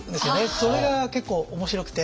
それが結構面白くて。